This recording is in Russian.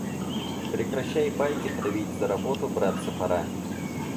Прекращай байки травить, за работу браться пора.